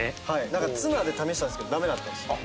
なんかツナで試したんですけどダメだったんですよ。